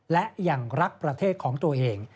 และยังรักประเทศของตัวเอง